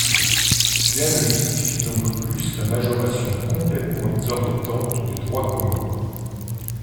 Rien ne justifie donc plus la majoration complètement exorbitante du droit commun.